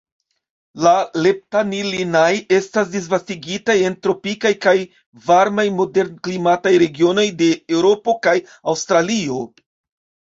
La "Leptanillinae" estas disvastigitaj en tropikaj kaj varmaj moderklimataj regionoj de Eŭropo kaj Aŭstralio.